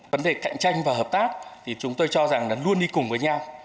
vấn đề cạnh tranh và hợp tác thì chúng tôi cho rằng là luôn đi cùng với nhau